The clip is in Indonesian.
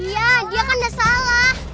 ya dia kan udah salah